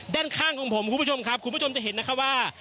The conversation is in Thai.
ด้านข้างของผมคุณผู้ชมครับคุณผู้ชมจะเห็นนะคะว่า